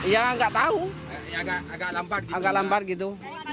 ya nggak tahu agak lambat gitu